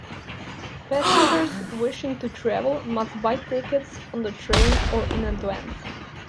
Passengers wishing to travel must buy tickets on the train or in advance.